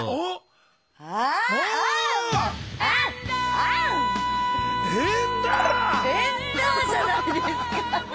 あん！「エンダァ」じゃないですか。